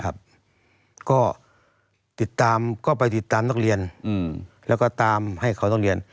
ก็ติดตามก็ไปติดตามนักเรียนแล้วก็ตามให้เขาต้องเรียน